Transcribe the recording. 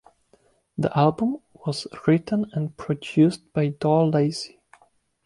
The album was written and produced by Doug Lazy.